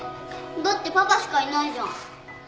だってパパしかいないじゃん。